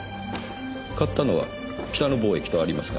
買ったのは北野貿易とありますが。